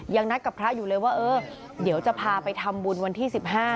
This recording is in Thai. ยังนัดกับพระอยู่เลยว่าเออเดี๋ยวจะพาไปทำบุญวันที่๑๕